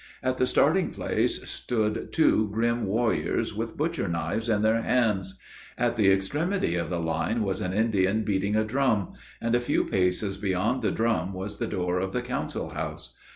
At the starting place, stood two grim warriors with butcher knives in their hands. At the extremity of the line, was an Indian beating a drum; and a few paces beyond the drum was the door of the council house.